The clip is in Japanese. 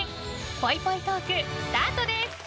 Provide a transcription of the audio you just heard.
ぽいぽいトーク、スタートです！